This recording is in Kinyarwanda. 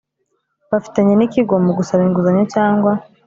Bafitanye n ikigo mu gusaba inguzanyo cyangwa